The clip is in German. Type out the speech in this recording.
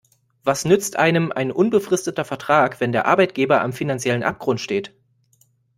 Was nützt einem ein unbefristeter Vertrag, wenn der Arbeitgeber am finanziellen Abgrund steht?